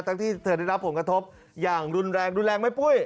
ที่เธอได้รับผลกระทบอย่างรุนแรงรุนแรงไหมปุ้ย